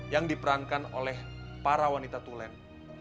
yang diperankan oleh para wanita tulen